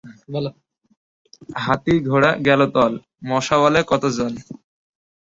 হাতি, ঘোড়া ছাড়া অন্য সব গুটির মতোই, লাফিয়ে চলতে পারে না।